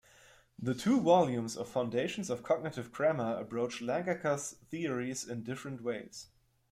The two volumes of "Foundations of Cognitive Grammar" approach Langacker's theories in different ways.